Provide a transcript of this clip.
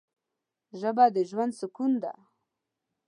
ښځه د ژوند سکون دی